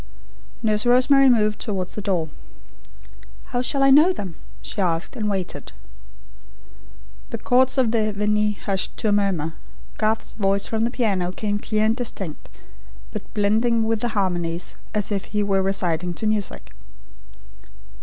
Nurse Rosemary moved towards the door. "How shall I know them?" she asked, and waited. The chords of the Veni hushed to a murmur, Garth's voice from the piano came clear and distinct, but blending with the harmonies as if he were reciting to music.